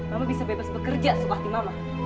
mama bisa bebas bekerja suka hati mama